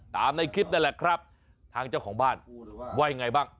ในคลิปนั่นแหละครับทางเจ้าของบ้านว่ายังไงบ้าง